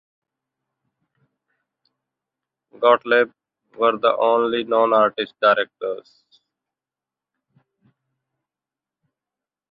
Gottlieb were the only non-artist directors.